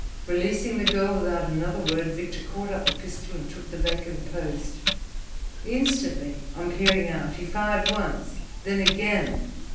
Releasing the girl without another word, Victor caught up the pistol and took the vacant post. Instantly, on peering out, he fired once, then again.